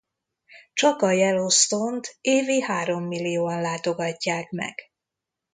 Csak a Yellowstone-t évi három millióan látogatják meg.